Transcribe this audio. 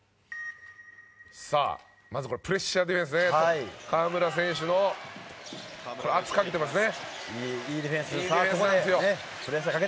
まずプレッシャーディフェンス河村選手、圧かけていますね。